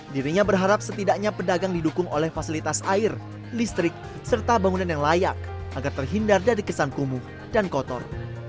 dirinya berharap setidaknya pedagang didukung oleh fasilitas air listrik serta bangunan yang layak agar terhindar dari kesan kumuh dan kotor